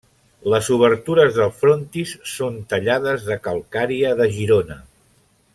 Les obertures del frontis són tallades de calcària de Girona.